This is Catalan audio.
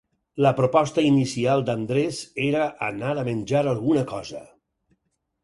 La proposta inicial d'Andrés era anar a menjar alguna cosa.